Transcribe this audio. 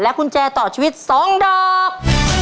กุญแจต่อชีวิต๒ดอก